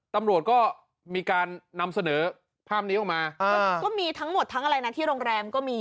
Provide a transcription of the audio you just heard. ตำรวจก็มีการนำเสนอภาพนี้ออกมาก็มีทั้งหมดทั้งอะไรนะที่โรงแรมก็มี